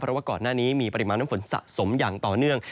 เพราะว่าก่อนหน้านี้มีปริมาณน้ำฝนสะสมอย่างต่อเนื่อง